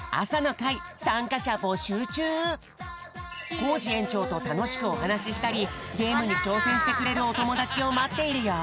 コージえんちょうとたのしくおはなししたりゲームにちょうせんしてくれるおともだちをまっているよ！